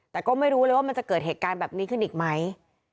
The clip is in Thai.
แต่ก็ไม่รู้เลยว่ามันจะเกิดเหตุการณ์แบบนี้ขึ้นอีกไหม